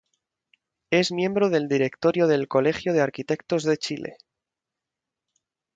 Es miembro del Directorio del Colegio de Arquitectos de Chile.